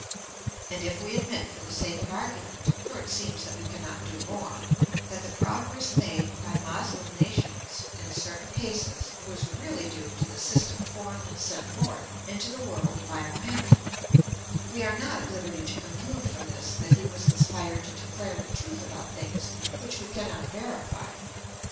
And if we admit for the sake of argument (for it seems that we cannot do more) that the progress made by Moslem nations in certain cases was really due to the system formed and sent forth into the world by Mohammed, we are not at hberty to conclude from this that he was inspired to declare the truth about things which we cannot verify.